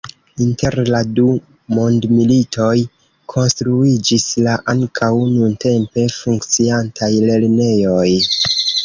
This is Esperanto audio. Inter la du mondmilitoj konstruiĝis la ankaŭ nuntempe funkciantaj lernejoj.